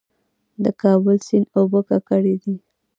د کابل سیند اوبه ککړې دي؟